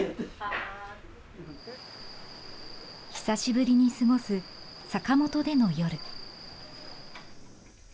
久しぶりに過ごす坂本での夜。